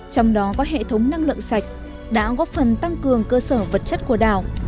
trong đó có hệ thống năng lượng sạch đã góp phần tăng cường cơ sở vật chất của đảo